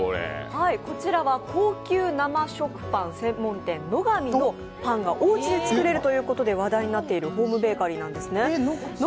こちらは高級生食パン専門店、乃が美のパンがおうちで作れるということで話題になっているホームベーカリーなんですね。